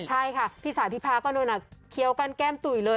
ใช่ค่ะพี่สาวพิพาก็โดนเคี้ยวกั้นแก้มตุ๋ยเลย